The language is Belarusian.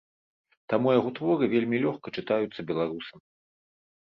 Таму яго творы вельмі лёгка чытаюцца беларусам.